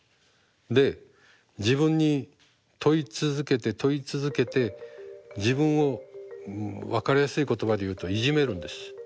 で自分に問い続けて問い続けて自分を分かりやすい言葉で言うといじめるんです。